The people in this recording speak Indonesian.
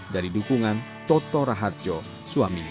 dari dukungan toto raharjo suaminya